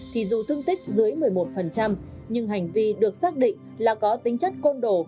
thì dù thương tích dưới một mươi một nhưng hành vi được xác định là có tính chất côn đồ